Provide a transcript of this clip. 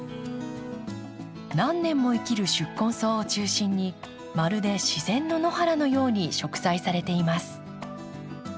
何年も生きる宿根草を中心にまるで自然の野原のように植栽されています。